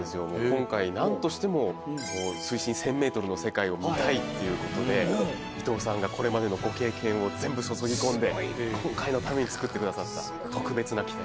今回なんとしてももう水深１０００ｍの世界を見たいっていうことで伊藤さんがこれまでのご経験を全部注ぎ込んで今回のために作ってくださった特別な機体です